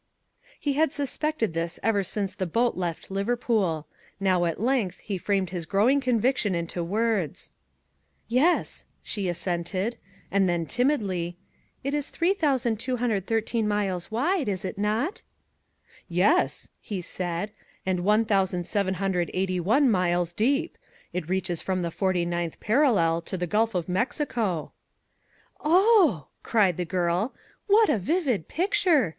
He had suspected this ever since the boat left Liverpool. Now at length he framed his growing conviction into words. "Yes," she assented, and then timidly, "it is 3,213 miles wide, is it not?" "Yes," he said, "and 1,781 miles deep! It reaches from the forty ninth parallel to the Gulf of Mexico." "Oh," cried the girl, "what a vivid picture!